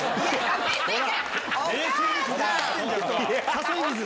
誘い水！